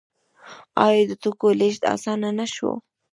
آیا د توکو لیږد اسانه نشو؟